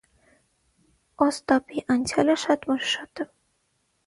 Օստապի անցյալը շատ մշուշոտ է։